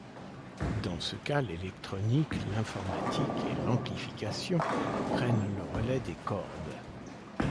Dans ce cas l'électronique, l'informatique et l'amplification prennent le relai des cordes.